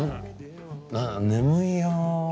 あ眠いよ。